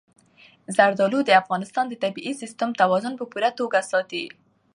زردالو د افغانستان د طبعي سیسټم توازن په پوره توګه ساتي.